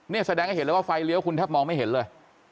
นี่แสดงให้เห็นเลยว่าไฟเลี้ยวคุณแทบมองไม่เห็นเลย